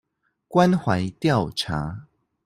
關懷調查